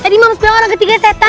tadi mams bilang orang ketiganya setan